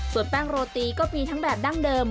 ส่วนแป้งโรตีก็มีทั้งแบบดั้งเดิม